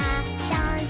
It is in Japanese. ダンス！